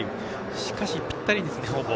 しかし、ぴったりですね。